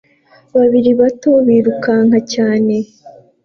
Babiri bato birukanka cyane